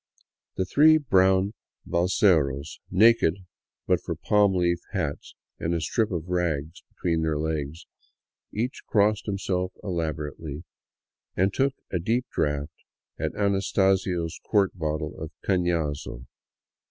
The three brown balseros, naked but for palm leaf hats and a strip of rag between their legs, each crossed himself elabo rately, and took a deep draught at Anastasio's quart bottle of caiiazo.